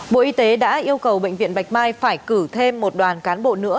bộ y tế đã yêu cầu bệnh viện bạch mai phải cử thêm một đoàn cán bộ nữa